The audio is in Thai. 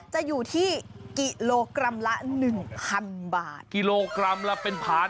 จะอยู่ที่กิโลกรัมละหนึ่งพันบาทกิโลกรัมละเป็นพัน